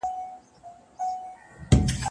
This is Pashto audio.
په مستي په خرچیلکو په ګډا سو